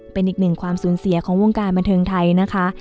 เป็นอีกหนึ่งความสูญเสียของวงการบันเทิงไทยนะคะ